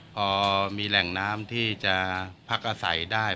พอมีแหล่งน้ำที่จะพักอาศัยได้